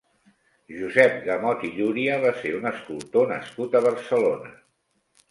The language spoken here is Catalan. Josep Gamot i Llúria va ser un escultor nascut a Barcelona.